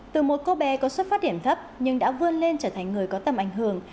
từ một cô bé có xuất phát điểm thấp nhưng đã vươn lên trở thành người có tầm ảnh hưởng